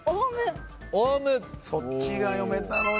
そっちが読めたのに。